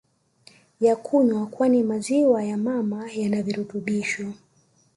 ya kunywa kwani maziwa ya mama yanavirutubisho